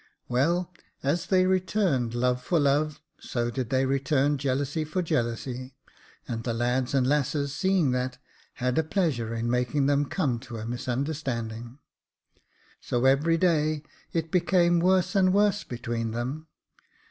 Well, as they returned love for love, so did they return jealousy for jealousy ; and the lads and lasses, seeing that, had a pleasure in making them come to a misunderstanding. So every day it became worse and worse between them.